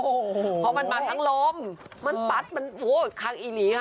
โอ้โหเพราะมันมาทั้งลมมันตัดมันโอ้โหคังอีหลีค่ะ